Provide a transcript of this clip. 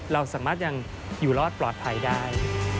เราสามารถยังอยู่รอดปลอดภัยได้